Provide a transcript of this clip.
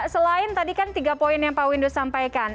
selain tadi kan tiga poin yang pak windu sampaikan